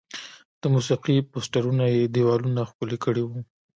د موسیقي پوسټرونه یې دیوالونه ښکلي کړي وي.